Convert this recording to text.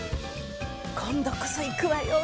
今度こそ行くわよ